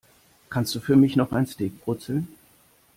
Kannst du für mich noch ein Steak brutzeln?